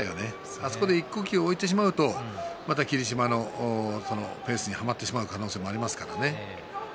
あそこで一呼吸置いてしまうとまた霧島のペースにはまってしまう可能性がありますからね。